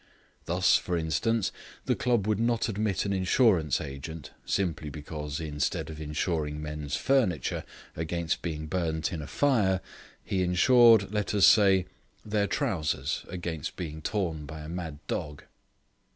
Thus, for instance, the Club would not admit an insurance agent simply because instead of insuring men's furniture against being burnt in a fire, he insured, let us say, their trousers against being torn by a mad dog.